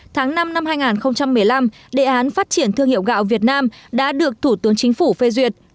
tháng năm năm hai nghìn một mươi năm đề án phát triển thương hiệu gạo việt nam đã được thủ tướng chính phủ phê duyệt